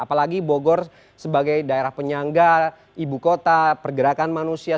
apalagi bogor sebagai daerah penyangga ibu kota pergerakan manusia